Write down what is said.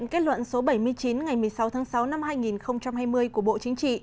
kết luận số bảy mươi chín ngày một mươi sáu tháng sáu năm hai nghìn hai mươi của bộ chính trị